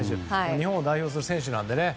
日本を代表する選手なのでね。